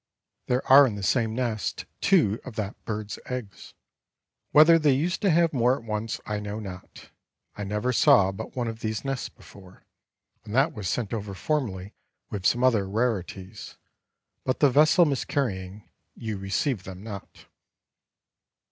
There are in the same Nest two of that Bird's eggs. Whether they used to have more at once I know not. I never saw but one of these Nests before, and that was sent over formerly with some other Rarities, but the vessel miscarrying, you received them not."